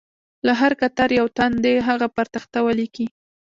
له هر کتار یو تن دې هغه پر تخته ولیکي.